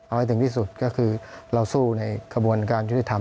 เอาให้ถึงที่สุดก็คือเราสู้ในกระบวนการยุติธรรม